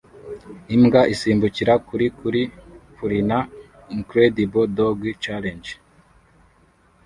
Imbwa isimbukira kuri kuri Purina Incredible Dog Challenge